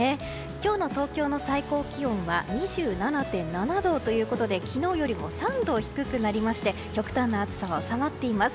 今日の東京の最高気温は２７．７度ということで昨日よりも３度低くなりまして極端な暑さは収まっています。